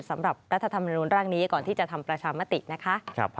รัฐธรรมนุนร่างนี้ก่อนที่จะทำประชามตินะคะ